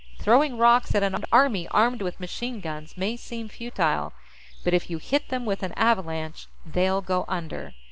Throwing rocks at an army armed with machine guns may seem futile, but if you hit them with an avalanche, they'll go under.